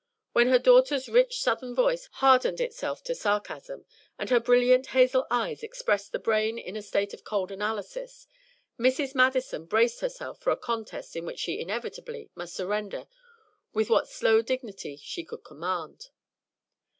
When her daughter's rich Southern voice hardened itself to sarcasm, and her brilliant hazel eyes expressed the brain in a state of cold analysis, Mrs. Madison braced herself for a contest in which she inevitably must surrender with what slow dignity she could command.